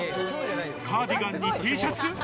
カーディガンにＴシャツ。